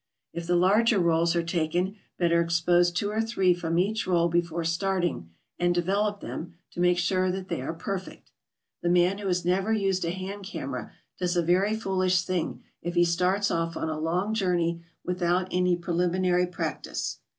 If the larger rolls are taken, better expose two or three from each roll before starting, and develop them, to make sure that they are perfect. The man who has never used a hand camera does a very foolish thing if he starts ofif on a long journe}" without any preliminary practice.